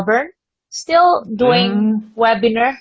masih melakukan webinar